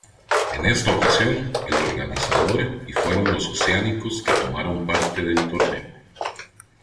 En esta ocasión, el organizador y fueron los oceánicos que tomaron parte del torneo.